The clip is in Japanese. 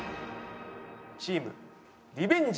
チームリベンジャーズ。